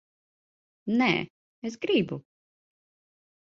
Nē, es gribu.